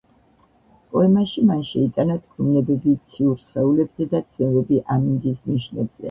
პოემაში მან შეიტანა თქმულებები ციურ სხეულებზე და ცნობები ამინდის ნიშნებზე.